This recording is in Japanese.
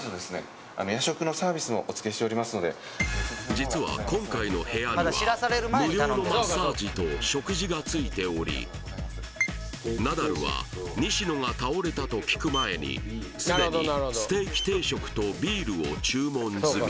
実は今回の部屋には無料のマッサージと食事が付いておりナダルは西野が倒れたと聞く前にすでにステーキ定食とビールを注文済み